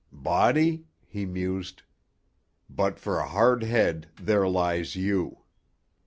"Body," he mused, "but for a hard head, there lies you."